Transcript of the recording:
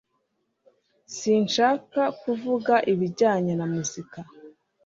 Sinshaka kuvuga ibijyanye na muzika